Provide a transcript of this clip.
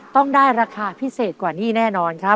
ต้องได้ราคาพิเศษกว่านี้แน่นอนครับ